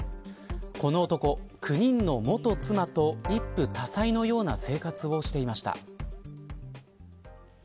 この男、９人の元妻と一夫多妻のような生活をしていました。